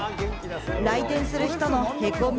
来店する人のへこみ